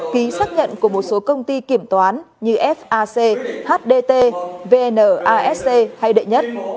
lý xác nhận của một số công ty kiểm toán như fac hdt vnasc hay đệ nhất